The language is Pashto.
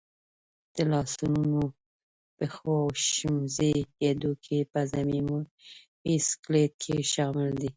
د لاسنونو، پښو او شمزۍ هډوکي په ضمیموي سکلېټ کې شامل دي.